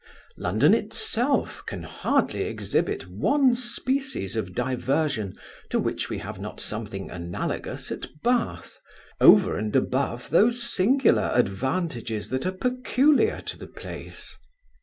London itself can hardly exhibit one species of diversion, to which we have not something analogous at Bath, over and above those singular advantages that are peculiar to the place.